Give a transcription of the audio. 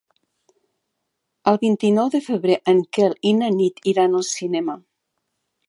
El vint-i-nou de febrer en Quel i na Nit iran al cinema.